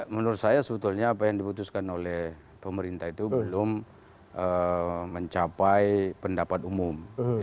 menurut saya sebetulnya apa yang diputuskan oleh pemerintah itu belum mencapai pendapat umum